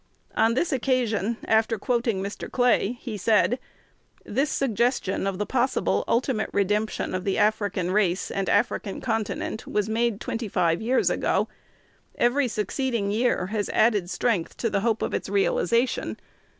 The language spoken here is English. On this occasion, after quoting Mr. Clay, he said, "This suggestion of the possible ultimate redemption of the African race and African continent was made twenty five years ago. Every succeeding year has added strength to the hope of its realization.